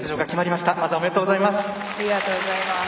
まずはおめでとうございます。